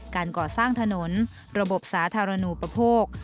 การก่อสร้างถนนระบบสาธารณูปโภค